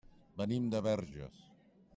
Venim de Verges.